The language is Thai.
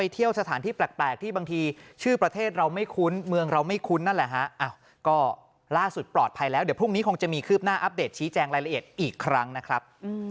เดี๋ยวพรุ่งนี้คงจะมีคืบหน้าอัปเดตชี้แจงรายละเอียดอีกครั้งนะครับ